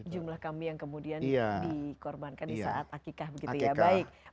jumlah kami yang kemudian dikorbankan di saat akikah begitu ya